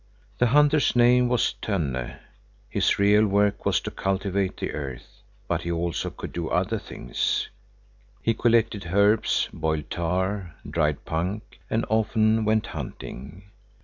The hunter's name was Tönne. His real work was to cultivate the earth, but he also could do other things. He collected herbs, boiled tar, dried punk, and often went hunting.